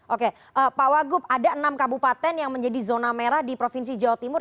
oke pak wagub ada enam kabupaten yang menjadi zona merah di provinsi jawa timur